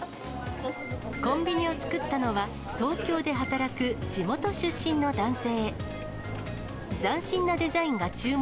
コンビニを作ったのは、東京で働く地元出身の男性。